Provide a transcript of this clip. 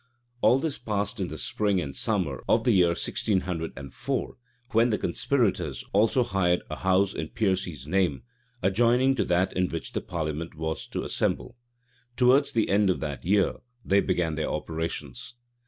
All this passed in the spring and summer of the year 1604; when the conspirators also hired a house in Piercy's name, adjoining to that in which the parliament was to assemble. Towards the end of that year, they began their operations.